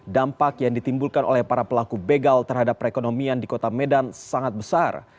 dampak yang ditimbulkan oleh para pelaku begal terhadap perekonomian di kota medan sangat besar